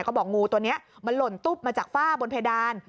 ก็บอกงูตัวนี้มันหล่นตุ๊บมาจากฝ้าบนเพดาน